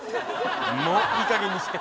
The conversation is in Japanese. もういいかげんにして。